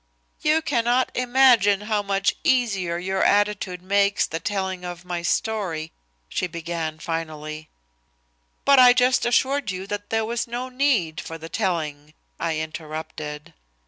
"You cannot imagine how much easier your attitude makes the telling of my story," she began finally. "But I just assured you that there was no need for the telling," I interrupted.